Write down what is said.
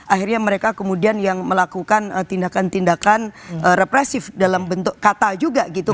akhirnya mereka kemudian yang melakukan tindakan tindakan represif dalam bentuk kata juga gitu